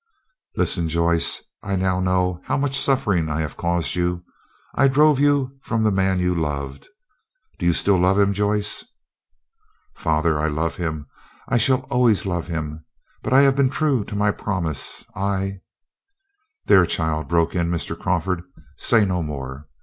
"Listen, Joyce. I now know how much suffering I have caused you. I drove from you the man you loved. Do you still love him, Joyce?" "Father, I love him, I shall always love him, but I have been true to my promise. I—" "There, child," broke in Mr. Crawford, "say no more.